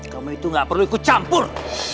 kamu itu gak perlu ikut campur